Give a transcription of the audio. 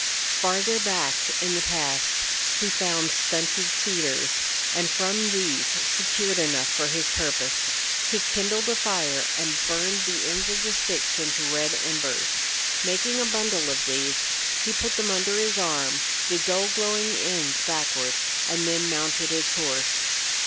Farther back in the pass he found stunted dead cedars, and from these secured enough for his purpose. He kindled a fire and burned the ends of the sticks into red embers. Making a bundle of these, he put them under his arm, the dull, glowing ends backward, and then mounted his horse.